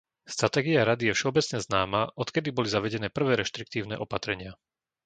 Stratégia Rady je všeobecne známa, odkedy boli zavedené prvé reštriktívne opatrenia.